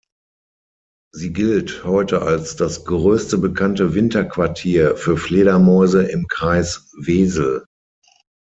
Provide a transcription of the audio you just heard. Sie gilt heute als das größte bekannte Winterquartier für Fledermäuse im Kreis Wesel.